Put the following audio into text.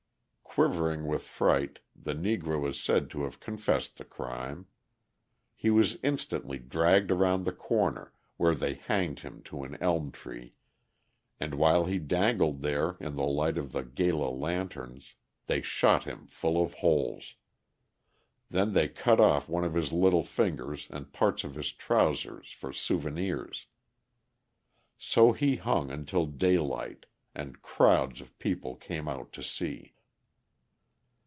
Quivering with fright, the Negro is said to have confessed the crime. He was instantly dragged around the corner, where they hanged him to an elm tree, and while he dangled there in the light of the gala lanterns, they shot him full of holes. Then they cut off one of his little fingers and parts of his trousers for souvenirs. So he hung until daylight, and crowds of people came out to see.